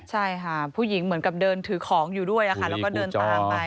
ใช่ค่ะผู้หญิงเหมือนกับเดินถือของอยู่ด้วยแล้วก็เดินตามไป